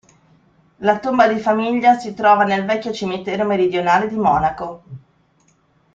La tomba di famiglia si trova nel vecchio cimitero meridionale di Monaco.